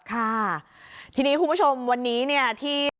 ค่ะทีนี้คุณผู้ชมวันนี้เนี่ยที่